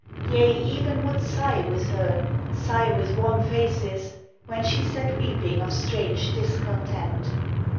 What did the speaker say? Yea, even would sigh with her, Sigh with wan faces! When she sat weeping of strange discontent.